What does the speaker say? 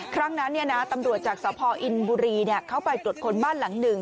ครั้งนั้นตำรวจจากสพออินบุรีเข้าไปตรวจค้นบ้านหลังหนึ่ง